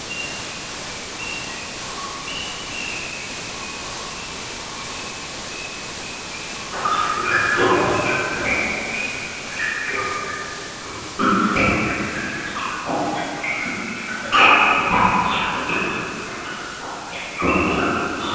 Denbora gehiagoz elkarrizketari uko egitea ulertezina litzateke.